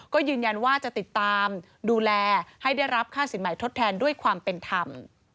ก็ยืนยันว่าจะติดตามดูแลให้ได้รับค่าสินใหม่ทดแทนด้วยความเป็นธรรม